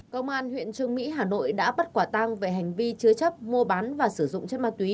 công an huyện trương mỹ hà nội đã bắt quả tang về hành vi chứa chấp mua bán và sử dụng chất ma túy